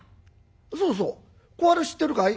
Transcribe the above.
そうそう小春知ってるかい？」。